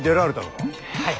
はい。